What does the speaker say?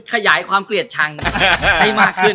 ขยายความเกลียดชังให้มากขึ้น